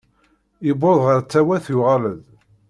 Yewweḍ ɣer Tawat yuɣal-d.